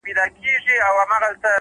زحمت د هیلو ریښې پیاوړې کوي’